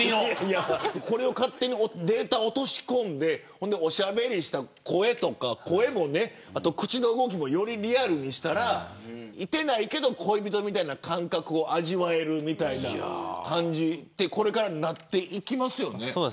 データを落とし込んでしゃべった声とか口の動きもリアルにしたらいてないけど恋人みたいな感覚を味わえるみたいなそういうふうになっていきますよね。